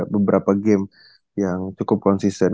beberapa game yang cukup konsisten